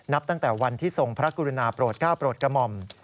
ตั้งแต่วันที่ทรงพระกรุณาโปรดก้าวโปรดกระหม่อม